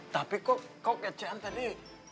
tapi kok kecean tadi